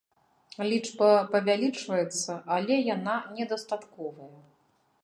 Лічба павялічваецца, але яна не дастатковая.